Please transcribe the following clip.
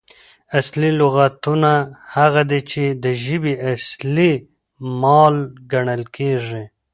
اصلي لغاتونه هغه دي، چي د ژبي اصلي مال ګڼل کیږي.